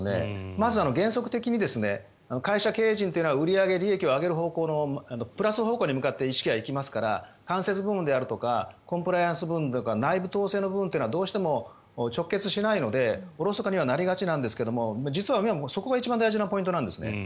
まず原則的に会社経営陣というのは売り上げ、利益を上げる方向のプラス方向に向かって意識が行きますから間接部門であるとかコンプライアンス部分とか内部統制とかどうしても直結しないのでおろそかにはなりがちなんですが実はそこが一番大事なポイントなんですね。